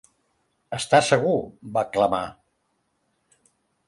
"Està segur", va clamar.